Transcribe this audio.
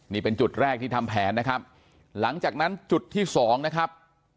นี่เป็นจุดแรกที่ทำแผนนะครับหลังจากนั้นจุดที่สองนะครับ